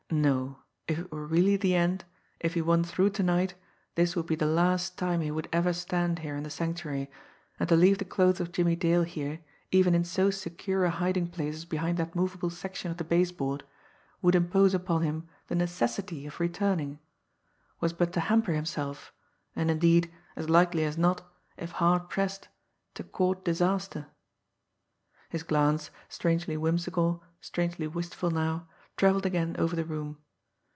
No, if it were really the end, if he won through to night, this would be the last time he would ever stand here in the Sanctuary, and to leave the clothes of Jimmie Dale here, even in so secure a hiding place as behind that movable section of the base board, would impose upon him the necessity of returning was but to hamper himself, and, indeed, as likely as not, if hard pressed, to court disaster. His glance, strangely whimsical, strangely wistful now, travelled again over the room.